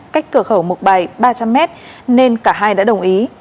cách cửa khẩu một bài ba trăm linh m nên cả hai đã đồng ý